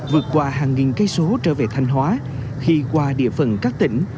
vượt qua hàng nghìn km trở về thanh hóa khi qua địa phần các tỉnh